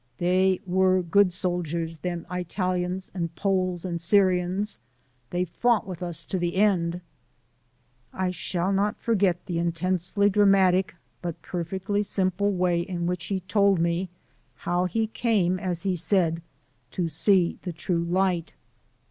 They were good soldiers, them Eyetalians and Poles and Syrians, they fought with us to the end." I shall not soon forget the intensely dramatic but perfectly simple way in which he told me how he came, as he said, "to see the true light."